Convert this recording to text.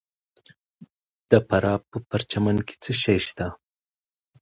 د فراه په پرچمن کې څه شی شته؟